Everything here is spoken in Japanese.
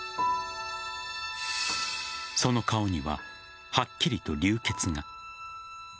その顔には、はっきりと流血が。